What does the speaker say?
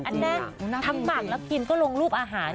อันนี้ทั้งหมักแล้วกินก็ลงรูปอาหาร